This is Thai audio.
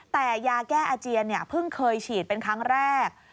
แต่ยาแก้อาเจียนเพิ่งเคยฉีดเป็นครั้งแรก